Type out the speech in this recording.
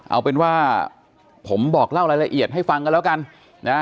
เอาเป็นว่าผมบอกเล่ารายละเอียดให้ฟังกันแล้วกันนะฮะ